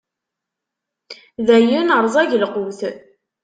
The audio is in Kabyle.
Dayen, rẓag lqut.